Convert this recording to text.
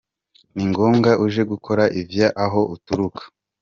Ni ngombwa uje gukora ivyo aho uturuka.